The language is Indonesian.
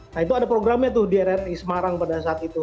nah itu ada programnya tuh di rri semarang pada saat itu